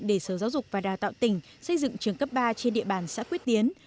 để sở giáo dục và đào tạo tỉnh xây dựng trường cấp ba trên địa bàn xã quyết tiến